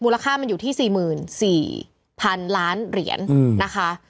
ค่ามันอยู่ที่๔๔๐๐๐ล้านเหรียญนะคะ